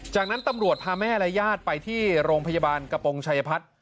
จากนั้นตำรวจพาแม่และญาติไปที่โรงพยาบาลกระโปรงชัยพัฒน์